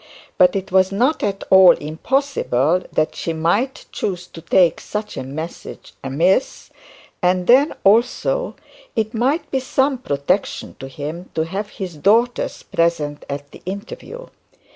But it was not at all impossible that she might choose to take such a message amiss, and then also it might be some protection to him to have his daughters present at the interview.